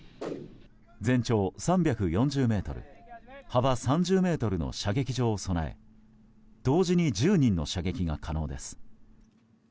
全長３４０ｍ、幅３０ｍの射撃場を備え同時に１０人の射撃が可能です。